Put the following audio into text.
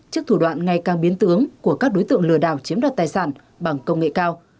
trước thủ đoạn ngày càng biến tướng của các đối tượng lừa đảo chiếm đoạt tài sản bằng công nghệ cao